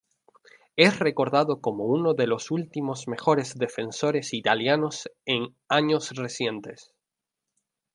Es recordado como uno de los últimos mejores defensores italianos en años recientes.